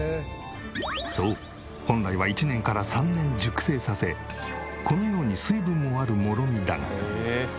そう本来は１年から３年熟成させこのように水分もあるもろみだが。